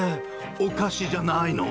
お菓子じゃないの？